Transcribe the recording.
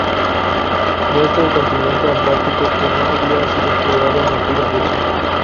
Muestra el continente antártico, que no había sido explorado en aquella fecha.